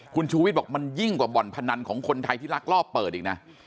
คุณชูวิทย์บอกมันยิ่งกว่าบ่อนพนันของคนไทยที่ลักลอบเปิดอีกนะ